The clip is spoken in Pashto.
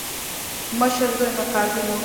مشر زوی مې قاضي وو.